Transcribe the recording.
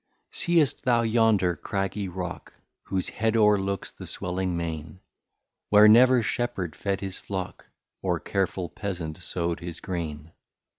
Seest thou younder craggy Rock, Whose Head o'er looks the swelling Main, Where never Shepherd fed his Flock, Or careful Peasant sow'd his Grain.